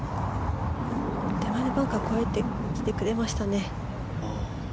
バンカー越えてきてくれましたね。